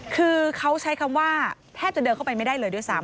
คือเขาใช้คำว่าแทบจะเดินเข้าไปไม่ได้เลยด้วยซ้ำ